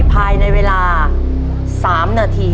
ภายในเวลา๓นาที